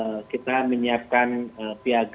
bagaimana kita menyiapkan piagam atau mou dari ketiga partai ini